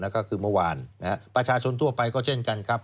แล้วก็คือเมื่อวานประชาชนทั่วไปก็เช่นกันครับ